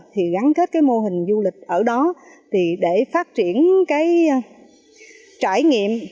thì gắn kết cái mô hình du lịch ở đó thì để phát triển cái trải nghiệm